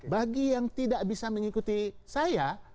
bagi yang tidak bisa mengikuti saya